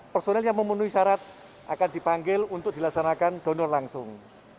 personel yang memenuhi syarat akan dipanggil untuk dilaksanakan donor langsung